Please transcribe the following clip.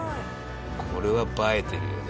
これは映えてるよね。